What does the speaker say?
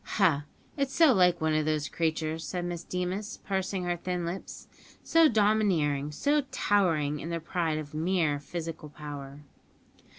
"Ha! it's so like one of these creatures," said Miss Deemas, pursing her thin lips; "so domineering, so towering, in their pride of mere physical power."